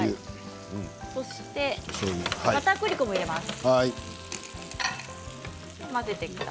そして、かたくり粉も入れます。